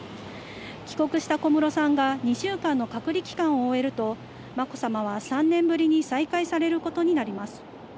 帰国した小室さんが２週間の隔離期間を終えると、まこさまは３年ぶりに再会されることになります。